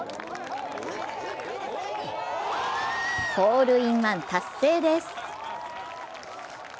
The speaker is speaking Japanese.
ホールインワン達成です。